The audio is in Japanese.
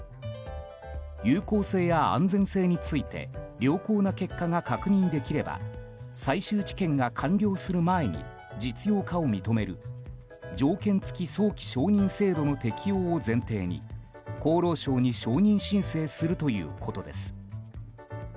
有効性や安全性について良好な結果が確認できれば最終治験が完了する前に実用化を認める条件付き早期承認制度の適用を前提に厚労省に承認申請するということです。